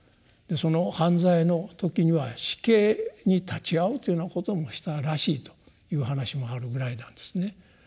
その犯罪の時には死刑に立ち会うというようなこともしたらしいという話もあるぐらいなんですね。